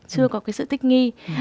chưa có cái sữa tích nghi